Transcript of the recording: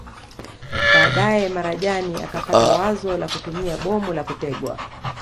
Baadae Marajani akapata wazo la kutumia bomu la kutegwa